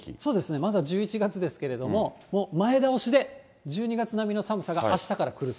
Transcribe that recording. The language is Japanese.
まだ１１月ですけれども、もう前倒しで、１２月並みの寒さがあしたからくると。